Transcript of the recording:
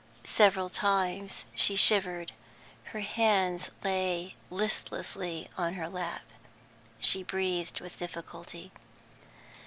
Several times she shivered. Her hands lay listlessly on her lap; she breathed with difficulty.